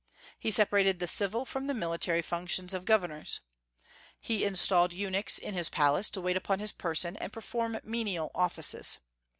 He separated the civil from the military functions of governors. He installed eunuchs in his palace, to wait upon his person and perform menial offices.